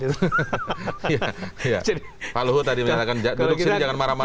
pak luhut tadi menyatakan duduk sini jangan marah marah